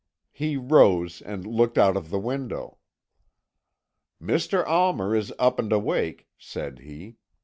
He rose, and looked out of the window. "'Mr. Almer is up and awake,' said he.